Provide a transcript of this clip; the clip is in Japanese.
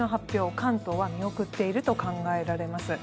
関東は見送っていると考えられます。